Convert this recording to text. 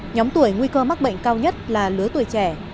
nhóm tuổi nguy cơ mắc bệnh cao nhất là lứa tuổi trẻ